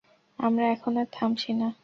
আমরা এখন আর থামছি না।